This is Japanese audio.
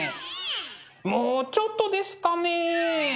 もうちょっとですかね。